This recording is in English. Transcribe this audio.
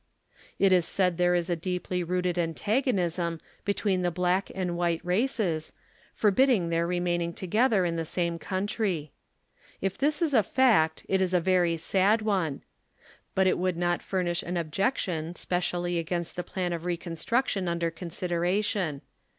It is said there is a deeply rooted antagonism between the black and white races, forbidding their remaining together 15 in the same conntry. If this is a fact, it is a very sad one ; bnt it would not furnish an objection, specially against the plan of reconstrnction under consideration.